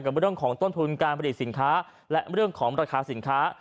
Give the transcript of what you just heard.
เรื่องของต้นทุนการผลิตสินค้าและเรื่องของราคาสินค้า